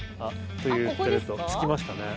って言ってると着きましたね。